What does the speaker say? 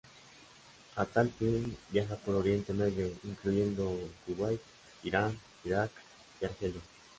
A tal fin, viaja por Oriente Medio, incluyendo Kuwait, Irán, Irak y Argelia.